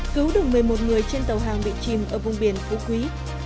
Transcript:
cứu được một mươi một người trên tàu hàng bị chìm ở vùng biển phú quý